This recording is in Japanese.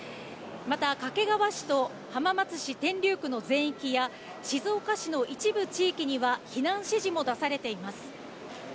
また、掛川市と浜松市天竜区の全域や、静岡市の一部地域には、避難指示も出されています。